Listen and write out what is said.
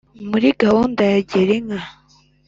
muri gahunda ya girinka